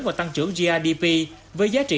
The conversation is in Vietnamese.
vào tăng trưởng grdp với giá trị